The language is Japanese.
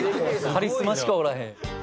カリスマしかおらへん。